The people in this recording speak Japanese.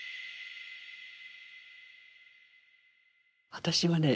私はね